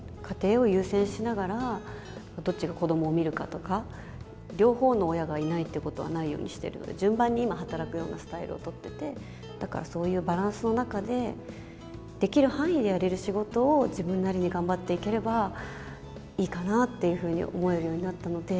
すごく大事なものができたから、とにもかくにも家庭を優先しながら、どっちが子どもを見るかとか、両方の親がいないっていうことはないようにしてるので、順番に今、働くようなスタイルを取っていて、だからそういうバランスの中で、できる範囲でやれる仕事を自分なりに頑張っていければいいかなっていうふうに思えるようになったので。